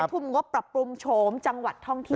ทุ่มงบปรับปรุงโฉมจังหวัดท่องเที่ยว